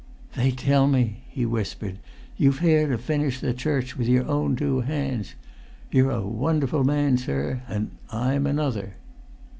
"They tell me," he whispered, "you fare to finish the church with your own two hands. You're a wonderful man, sir—and I'm another."